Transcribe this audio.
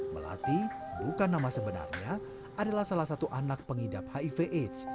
melati bukan nama sebenarnya adalah salah satu anak pengidap hiv aids